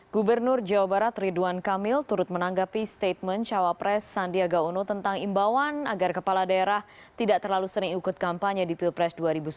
gubernur jawa barat ridwan kamil turut menanggapi statement cawapres sandiaga uno tentang imbauan agar kepala daerah tidak terlalu sering ikut kampanye di pilpres dua ribu sembilan belas